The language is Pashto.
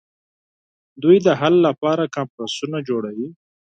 دوی د حل لپاره کنفرانسونه جوړوي